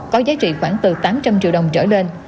có giá trị khoảng từ tám trăm linh triệu đồng trở lên